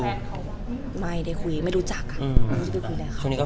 ตอนนี้ก็คืออย่างที่ทุกคนทราบเหมือนกันนะคะ